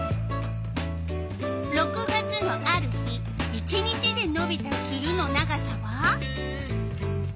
６月のある日１日でのびたツルの長さは？